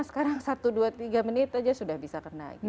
sekarang satu dua tiga menit aja sudah bisa kena